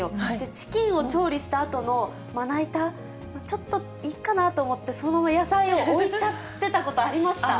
チキンを調理したあとのまな板、ちょっといいかなと思って、そのまま野菜を置いちゃってたことありました。